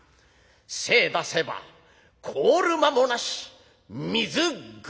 『精出せば凍る間もなし水車』だ」。